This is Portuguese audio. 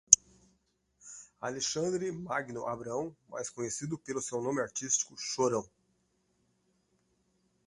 Alexandre Magno Abrão, mais conhecido pelo seu nome artístico Chorão